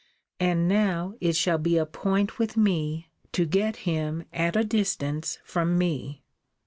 And now it shall be a point with me, to get him at a distance from me.